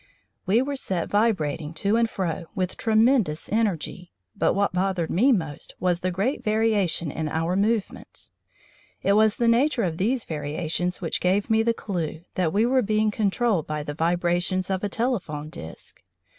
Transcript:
We were set vibrating to and fro with tremendous energy, but what bothered me most was the great variation in our movements. It was the nature of these variations which gave me the clue that we were being controlled by the vibrations of a telephone disc.